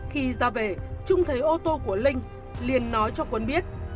khi ra về trung thấy ô tô của linh liền nói cho quân biết